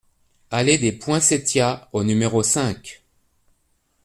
Allée des Poinsettias au numéro cinq